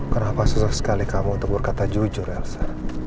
kenapa susah sekali kamu untuk berkata jujur elsa